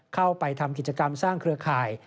เข้าไปทำกิจกรรมสร้างเครือข่าย